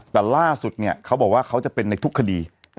แต่ล่าสุดเนี่ยเขาบอกว่าเขาจะเป็นในทุกคดี